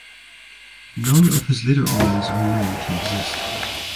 None of his later oils are known to exist.